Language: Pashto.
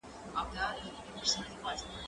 زه به سبا پاکوالي وساتم؟